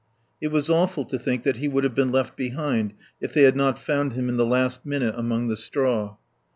It was awful to think that he would have been left behind if they had not found him at the last minute among the straw.